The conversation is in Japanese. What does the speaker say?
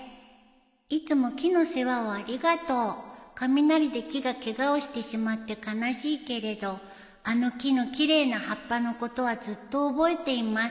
「いつも木の世話をありがとう」「雷で木がケガをしてしまって悲しいけれどあの木の奇麗な葉っぱのことはずっと覚えています」